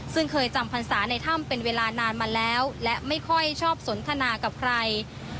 ซึ่งเคยจำพรรษาในถ้ำเป็นเวลานานมาแล้วและไม่ค่อยชอบสนทนากับใคร